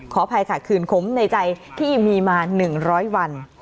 ขอบภัยค่ะขืนขมในใจที่มีมาหนึ่งร้อยวัน